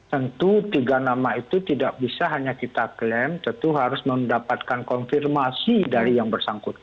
tentu tiga nama itu tidak bisa hanya kita klaim tentu harus mendapatkan konfirmasi dari yang bersangkutan